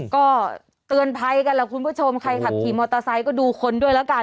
ก็เตือนภัยกันล่ะคุณผู้ชมใครขับขี่มอเตอร์ไซค์ก็ดูคนด้วยแล้วกัน